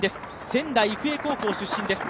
仙台育英高校出身です。